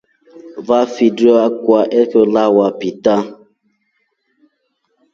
Vafitrio akwa eywa peter.